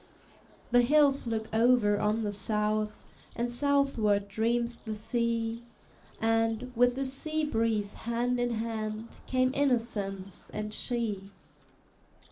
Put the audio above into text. The hills look over on the South, And southward dreams the sea; And, with the sea breeze hand in hand, Came innocence and she.